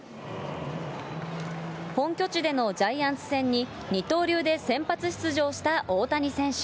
本拠地でのジャイアンツ戦に二刀流で先発出場した大谷選手。